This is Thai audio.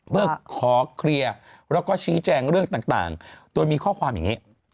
เมื่อขอเคลียร์แล้วก็ชี้แจงเรื่องต่างโดยมีข้อความอย่างนี้